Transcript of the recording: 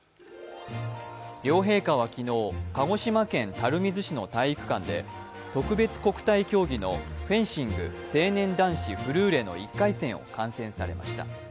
両陛下は昨日、鹿児島県垂水市の体育館で特別国体競技のフェンシング・成年男子フルーレの１回戦を観戦されました。